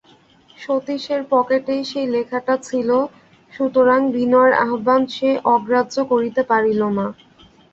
সতীশের পকেটেই সেই লেখাটা ছিল, সুতরাং বিনয়ের আহ্বান সে অগ্রাহ্য করিতে পারিল না।